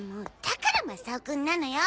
だからマサオくんなのよ！